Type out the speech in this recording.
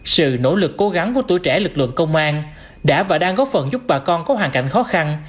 sự nỗ lực cố gắng của tuổi trẻ lực lượng công an đã và đang góp phần giúp bà con có hoàn cảnh khó khăn